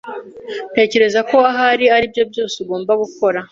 Ntekereza ko ahari aribyo byose ugomba gukora.